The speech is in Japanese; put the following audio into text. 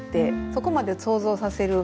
そこまで想像させる